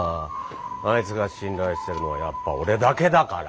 あいつが信頼してるのはやっぱ俺だけだから？